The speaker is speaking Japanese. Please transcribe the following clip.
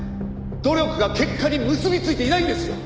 「努力が結果に結びついていないんですよ」